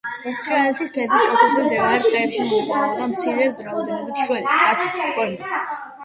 თრიალეთის ქედის კალთებზე მდებარე ტყეებში მოიპოვებოდა მცირე რაოდენობით შველი, დათვი, კვერნა.